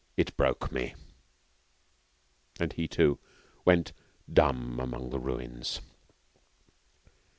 'It broke me!' And he, too, went dumb among the ruins.